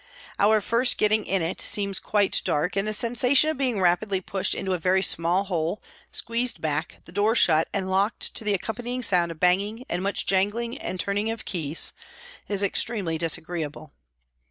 On first getting in it seems quite dark, and the sensation of being rapidly pushed into a very small hole, squeezed back, the door shut and locked to the accompanying sound of banging and much jangling and turning of keys, is extremely disagreeable.